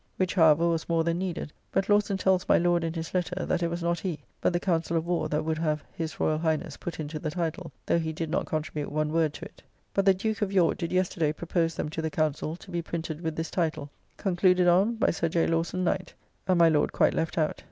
(Which however was more than needed; but Lawson tells my Lord in his letter, that it was not he, but the Council of Warr that would have "His Royal Highness" put into the title, though he did not contribute one word to it.) But the Duke of York did yesterday propose them to the Council, to be printed with this title: "Concluded on, by Sir J. Lawson, Knt." and my Lord quite left out.